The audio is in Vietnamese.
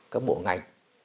các bộ ngành